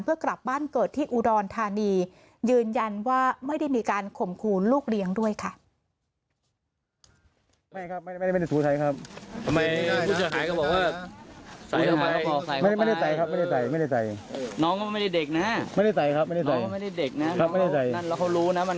เพื่อกลับบ้านเกิดที่อุดรธานียืนยันว่าไม่ได้มีการข่มขู่ลูกเลี้ยงด้วยค่ะ